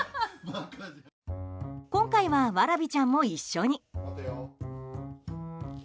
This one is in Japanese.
今回はわらびちゃんも一緒に。